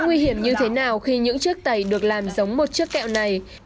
nguy hiểm như thế nào khi những chiếc tày được làm giống một chiếc kẹo này